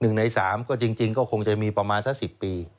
๑ใน๓ก็จริงก็คงจะมีประมาณซะ๑๐ปี